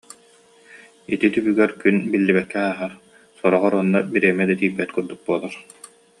Ити түбүгэр күн биллибэккэ ааһар, сороҕор онно бириэмэ да тиийбэт курдук буолар